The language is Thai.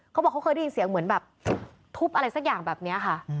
เขาบอกเขาเคยได้ยินเสียงเหมือนแบบทุบอะไรสักอย่างแบบนี้ค่ะ